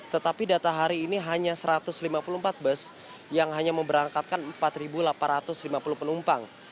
tetapi data hari ini hanya satu ratus lima puluh empat bus yang hanya memberangkatkan empat delapan ratus lima puluh penumpang